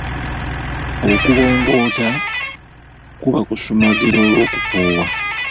Okubongoota kuba kusumagira olw'okukoowa.